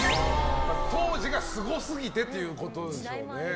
当時がすごすぎてということでしょうね。